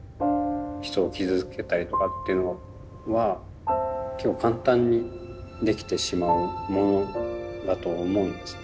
人を傷つけたりとかっていうのは簡単にできてしまうものだと思うんですね。